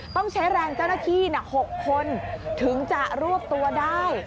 ต้องใช้แรงเจ้าหน้าที่๖คนถึงจะรวบตัวได้